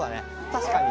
確かに。